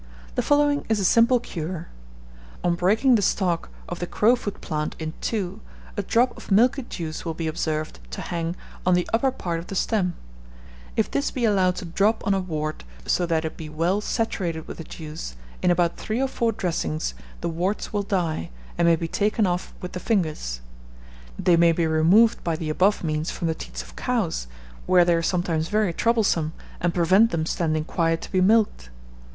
The following is a simple cure: On breaking the stalk of the crowfoot plant in two, a drop of milky juice will be observed to hang on the upper part of the stem; if this be allowed to drop on a wart, so that it be well saturated with the juice, in about three or four dressings the warts will die, and may be taken off with the fingers. They may be removed by the above means from the teats of cows, where they are sometimes very troublesome, and prevent them standing quiet to be milked.